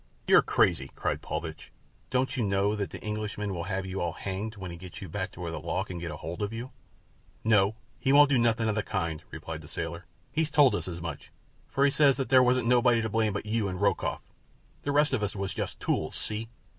"You're crazy," cried Paulvitch. "Don't you know that the Englishman will have you all hanged when he gets you back where the law can get hold of you?" "No, he won't do nothing of the kind," replied the sailor. "He's told us as much, for he says that there wasn't nobody to blame but you and Rokoff—the rest of us was just tools. See?"